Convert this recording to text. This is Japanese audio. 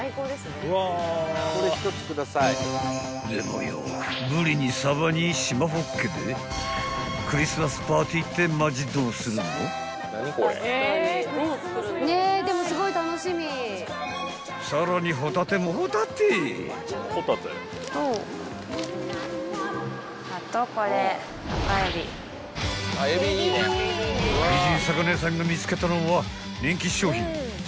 ［美人魚屋さんが見つけたのは人気商品］